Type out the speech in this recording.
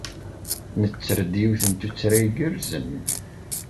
Netter-d yiwet n tuttra igerrzen.